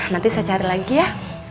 nanti saya cari lagi ya